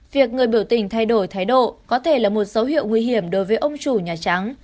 việc người biểu tình thay đổi thái độ có thể là một dấu hiệu nguy hiểm đối với ông chủ nhà trắng